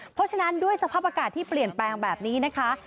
เพราะฉะนั้นด้วยสภาพอากาศที่เปลี่ยนแปลงแบบนี้นะคะ